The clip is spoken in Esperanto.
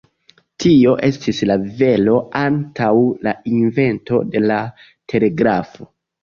Tio estis la vero antaŭ la invento de la telegrafo.